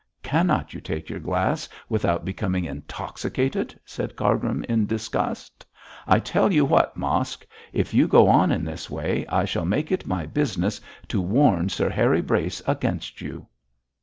'Cannot you take your glass without becoming intoxicated?' said Cargrim, in disgust. 'I tell you what, Mosk, if you go on in this way, I shall make it my business to warn Sir Harry Brace against you.'